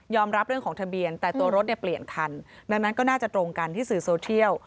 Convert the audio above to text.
รับเรื่องของทะเบียนแต่ตัวรถเนี่ยเปลี่ยนคันดังนั้นก็น่าจะตรงกันที่สื่อโซเทียล